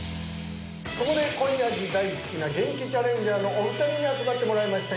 そこで濃い味大好きなゲンキチャレンジャーのお二人に集まってもらいました